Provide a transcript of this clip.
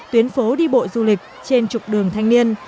tuyến phố đi bộ du lịch trên trục đường thanh niên